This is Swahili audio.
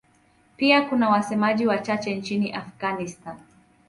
Pia kuna wasemaji wachache nchini Afghanistan.